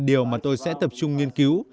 điều mà tôi sẽ tập trung nghiên cứu